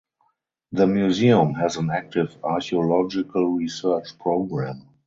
The museum has an active archaeological research programme.